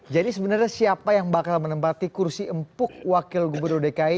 jadi sebenarnya siapa yang bakal menempati kursi empuk wakil gubernur dki